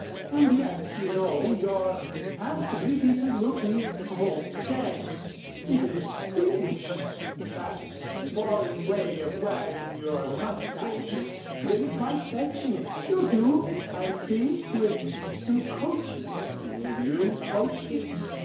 "And yet you know you're passably decent looking " "Oh, thanks!" "Even distinguished that foreign way of wearing your mustache is really quite fetching. You'll do, I think, with some coaching." "Will you coach me?"